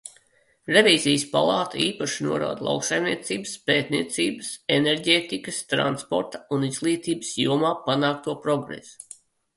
Revīzijas palāta īpaši norāda lauksaimniecības, pētniecības, enerģētikas, transporta un izglītības jomā panākto progresu.